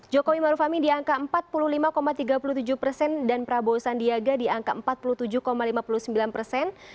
jokowi maruf amin di angka empat puluh lima tiga puluh tujuh persen dan prabowo sandiaga di angka empat puluh tujuh lima puluh sembilan persen